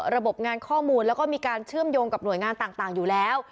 ระบบงานข้อมูลแล้วก็มีการเชื่อมโยงกับหน่วยงานต่างอยู่แล้ว